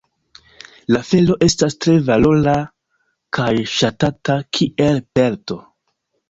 La felo estas tre valora kaj ŝatata kiel pelto.